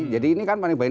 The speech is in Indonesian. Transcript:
jadi ini kan panik baying